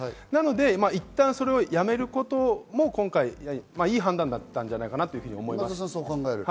なので、いったんそれをやめることも今回、いい判断だったんじゃないかなと思います。